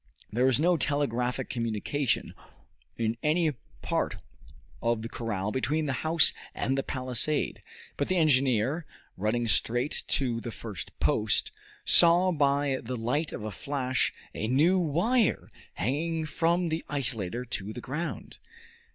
There was no telegraphic communication in any part of the corral between the house and the palisade; but the engineer, running straight to the first post, saw by the light of a flash a new wire hanging from the isolator to the ground.